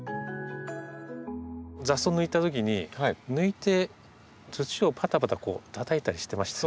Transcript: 雑草を抜いたときに抜いて土をパタパタたたいたりしてましたね。